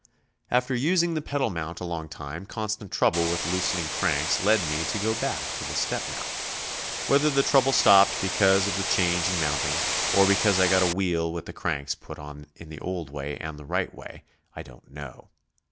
After using the pedal mount a long time, constant trouble with loosening cranks led me to go back to the step mount. Whether the trouble stopped because of the change in mounting, or because I got a wheel with the cranks put on in the old way and the right way, I don't know.